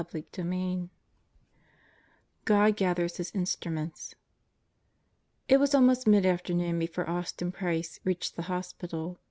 CHAPTER TWO God Gathers His Instruments IT WAS almost midafternoon before Austin Price reached the hospital.